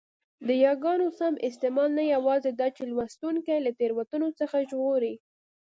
د یاګانو سم استعمال نه یوازي داچي لوستوونکی له تېروتنو څخه ژغوري؛